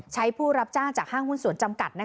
ผู้รับจ้างจากห้างหุ้นสวนจำกัด